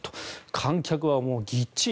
観客はぎっちり